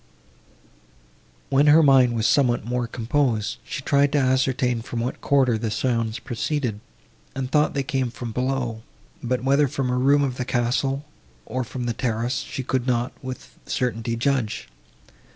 When her mind was somewhat more composed, she tried to ascertain from what quarter the sounds proceeded, and thought they came from below; but whether from a room of the castle, or from the terrace, she could not with certainty judge.